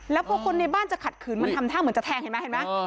แล้วพอคนในบ้านจะขัดขืนมันทำท่าเหมือนจะแทงเห็นไหมเห็นไหม